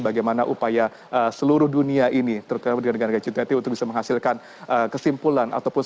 bagaimana upaya seluruh dunia ini terutama dengan negara g dua puluh untuk bisa menghasilkan kesimpulan ataupun